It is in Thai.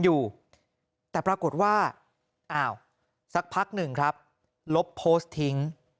อยู่แต่ปรากฏว่าอ้าวสักพักหนึ่งครับลบโพสต์ทิ้ง